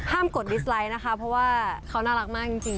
กดดิสไลด์นะคะเพราะว่าเขาน่ารักมากจริง